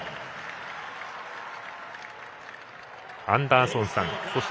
アンダーソンさん